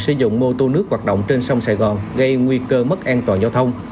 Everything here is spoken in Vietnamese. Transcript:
xây dựng mô tô nước hoạt động trên sông sài gòn gây nguy cơ mất an toàn giao thông